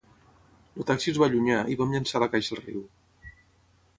El taxi es va allunyar i vam llençar la caixa al riu.